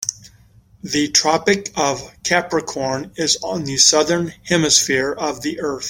The Tropic of Capricorn is on the Southern Hemisphere of the earth.